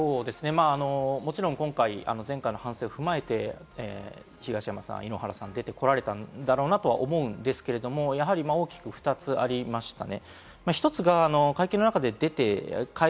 もちろん今回、前回の反省を踏まえて、東山さん、井ノ原さん、出てこられたんだろうなとは思うんですけれども、大きく２つありましたね。